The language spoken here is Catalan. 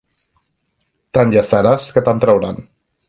Tant hi estaràs, que te'n trauran.